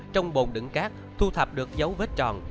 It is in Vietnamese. trong bồn đựng cát thu thập được dấu vết tròn